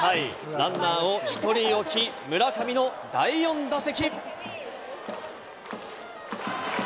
ランナーを１人置き、村上の第４打席。